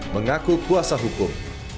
mengaku kuasa hukum